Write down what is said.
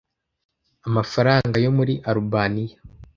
Amafaranga yo muri Alubaniya